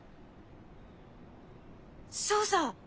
そうさ！